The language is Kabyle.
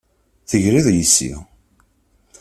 Tegliḍ yes-i.